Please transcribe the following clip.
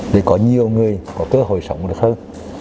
để có nhiều người có cơ hội sống được hơn